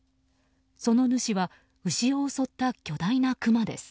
その主は牛を襲った巨大なクマです。